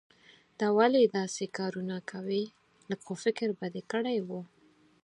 دا ولې داسې کارونه کوې؟ لږ خو فکر به دې کړای وو.